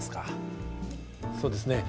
そうですね